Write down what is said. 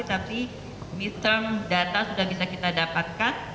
tapi misal data sudah bisa kita dapatkan